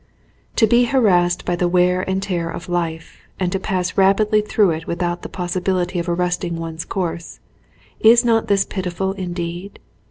"To be harassed by the wear and tear of life, and to pass rapidly through it without the possi bility of arresting one's course, — is not this pitifvl indeed?